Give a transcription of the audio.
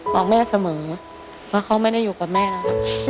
บอกแม่เสมอว่าเขาไม่ได้อยู่กับแม่แล้ว